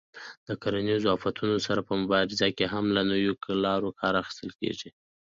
د کرنیزو آفتونو سره په مبارزه کې هم له نویو لارو کار اخیستل کېږي.